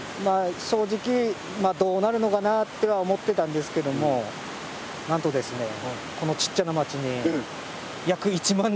正直どうなるのかなっては思ってたんですけどもなんとですねえ！